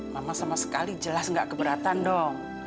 mama sama sekali jelas nggak keberatan dong